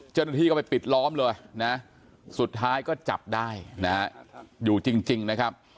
เจ้าหน้าที่ก็ไปปิดล้อมเลยนะสุดท้ายก็จับได้นะฮะอยู่จริงนะครับ